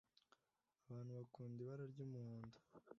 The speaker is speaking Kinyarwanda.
Abantu bakunda ibara ry’umuhondo